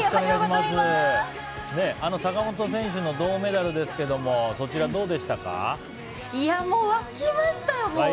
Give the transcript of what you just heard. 坂本選手の銅メダルですけども沸きましたよ。